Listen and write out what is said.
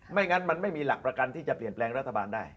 งั้นมันไม่มีหลักประกันที่จะเปลี่ยนแปลงรัฐบาลได้